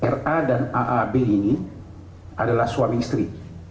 ra dan aab ini adalah suami istri